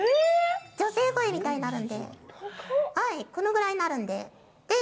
女性声みたいになるので、このぐらいになるので。